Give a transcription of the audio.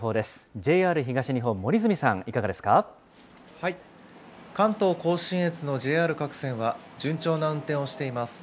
ＪＲ東日本、森住さん、いかがで関東甲信越のＪＲ各線は順調な運転をしています。